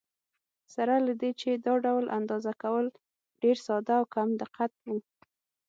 سره له دې چې دا ډول اندازه کول ډېر ساده او کم دقت و.